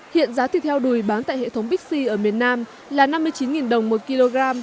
hiện giá thịt heo đùi bán tại hệ thống bixi ở miền nam là năm mươi chín đồng một kg